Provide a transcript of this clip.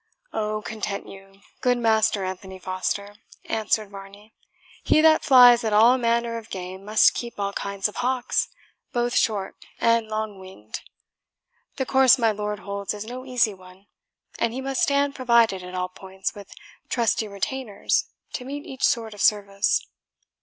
"Oh, content you, good Master Anthony Foster," answered Varney; "he that flies at all manner of game must keep all kinds of hawks, both short and long winged. The course my lord holds is no easy one, and he must stand provided at all points with trusty retainers to meet each sort of service.